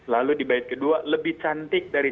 lalu di bayat kedua lebih cantik dari